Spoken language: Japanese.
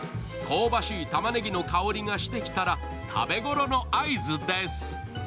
香ばしいたまねぎの香りがしてきたら、食べごろの合図です。